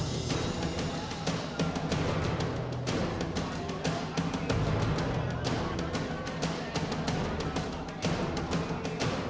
tuhan atas kemampuanmu tuhan